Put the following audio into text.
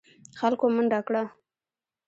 خلکو منډه کړه.